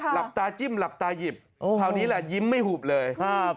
หลับตาจิ้มหลับตาหยิบคราวนี้แหละยิ้มไม่หุบเลยครับ